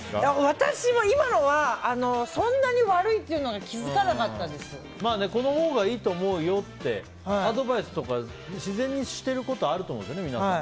私は今のはそんなに悪いっていうのがこのほうがいいと思うよってアドバイスとか自然にしてることあると思うんですよね、皆さん。